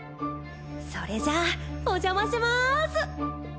それじゃあお邪魔します！